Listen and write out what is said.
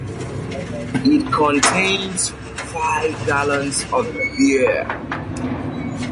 It contains five gallons of beer.